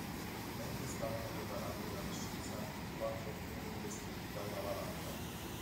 Mentre stavano preparando una discesa, i quattro furono investiti da una valanga.